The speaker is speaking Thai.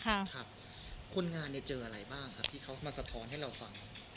คนงานเนี่ยเจออะไรบ้างครับที่เขามาสะท้อนให้เราฟัง